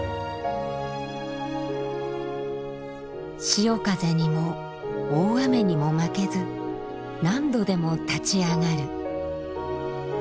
潮風にも大雨にも負けず何度でも立ち上がる。